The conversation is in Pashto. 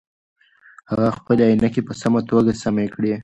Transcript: هغه خپلې عینکې په سمه توګه سمې کړې.